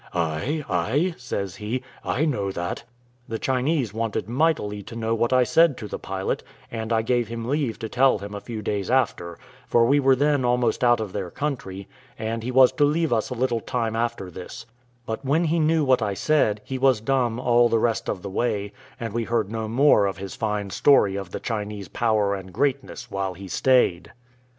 "Ay, ay," says he, "I know that." The Chinese wanted mightily to know what I said to the pilot, and I gave him leave to tell him a few days after, for we were then almost out of their country, and he was to leave us a little time after this; but when he knew what I said, he was dumb all the rest of the way, and we heard no more of his fine story of the Chinese power and greatness while he stayed.